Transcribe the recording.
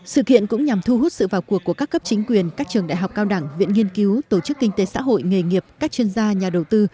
sự kiện cũng nhằm thu hút sự vào cuộc của các cấp chính quyền các trường đại học cao đẳng viện nghiên cứu tổ chức kinh tế xã hội nghề nghiệp các chuyên gia nhà đầu tư